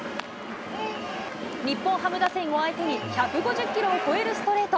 日本ハム打線を相手に、１５０キロを超えるストレート。